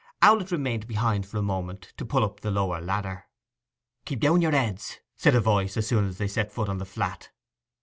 Owlett remained behind for a moment, to pull up the lower ladder. 'Keep down your heads,' said a voice, as soon as they set foot on the flat.